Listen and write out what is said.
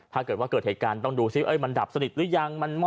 ถ้าเกิดว่าเกิดเหตุการณ์ต้องดูมันดับสนิทรึยังมันหมอดหมดรึยัง